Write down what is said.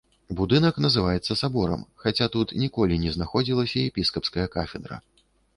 Будынак называецца саборам, хаця тут ніколі не знаходзілася епіскапская кафедра.